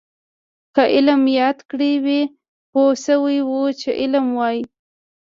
که علم یاد کړی وی پوه شوي وو چې علم وايي.